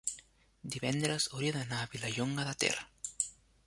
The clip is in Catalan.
divendres hauria d'anar a Vilallonga de Ter.